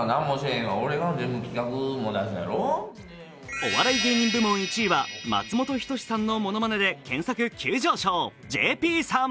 お笑い芸人部門１位は松本人志さんのものまねで検索急上昇、ＪＰさん。